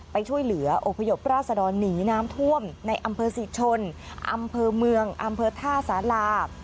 ไปช่วยเหลืออพยพราษดรหนีน้ำท่วมในอำเภอศรีชนอำเภอเมืองอำเภอท่าสารา